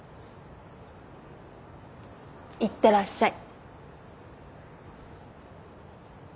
いってらっしゃい。